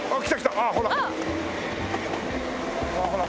ああほら。